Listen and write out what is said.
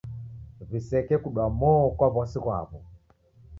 W'iseke kudwa mo kwa w'asi ghwaw'o.